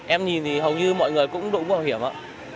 em nhìn thì hầu như mọi người cũng đội mũ bảo hiểm ạ